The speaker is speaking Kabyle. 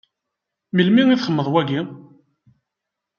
Melmi i txedmeḍ wagi?